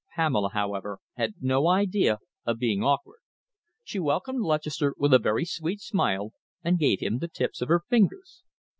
Pamela, however, had no idea of being awkward. She welcomed Lutchester with a very sweet smile, and gave him the tips of her fingers.